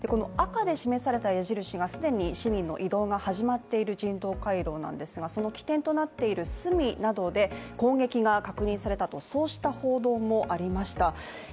赤で示された矢印が既に市民の移動が始まっている人道回廊なんですがその起点となっているスミなどで攻撃が確認されたと、そうした報道もありました。